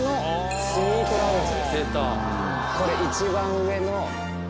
これ一番上の。